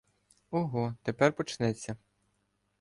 Ого, тепер почнеться!